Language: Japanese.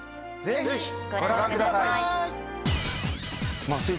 ぜひご覧ください。